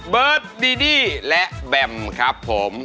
เบิร์ตดีดี้และแบมครับผม